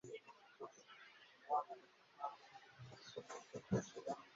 Iyaba nari mfite miliyoni yen ubungubu, nagura imodoka.